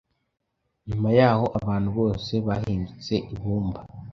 nyuma yaho abantu bose bahindutse ibumba